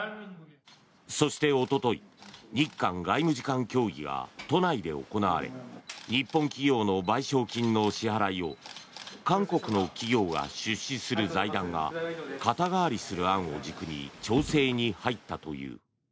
そして、おととい日韓外務次官協議が都内で行われ日本企業の賠償金の支払いを韓国の企業が出資する財団が肩代わりする案を軸に調整に入ったという。